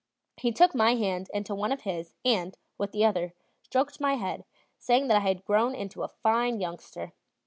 He took my hand into one of his, and, with the other, stroked my head, saying that I had grown into a fine youngster.